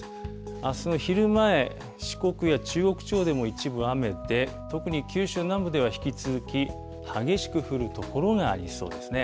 あすの昼前、四国や中国地方でも一部雨で、特に九州南部では、引き続き激しく降る所がありそうですね。